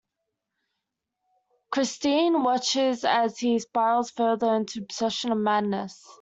Christine watches as he spirals further into obsession and madness.